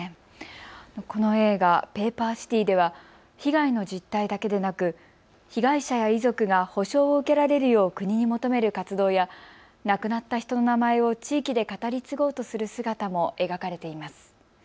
この映画、ＰａｐｅｒＣｉｔｙでは被害の実態だけでなく被害者や遺族が補償を受けられるよう国に求める活動や亡くなった人の名前を地域で語り継ごうとする姿も描かれています。